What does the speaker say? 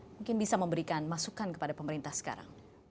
mungkin bisa memberikan masukan kepada pemerintah sekarang